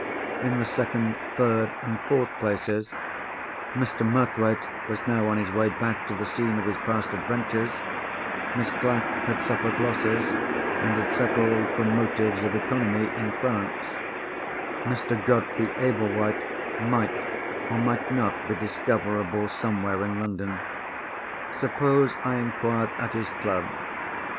In the second, third, and fourth places, Mr. Murthwaite was now on his way back to the scene of his past adventures; Miss Clack had suffered losses, and had settled, from motives of economy, in France; Mr. Godfrey Ablewhite might, or might not, be discoverable somewhere in London. Suppose I inquired at his club?